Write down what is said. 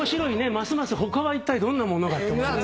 ますます他はいったいどんなものがって思いますよね。